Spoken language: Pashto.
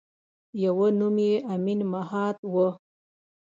یوه نوم یې امین مهات وه.